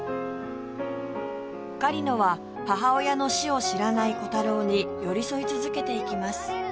狩野は母親の死を知らないコタローに寄り添い続けていきます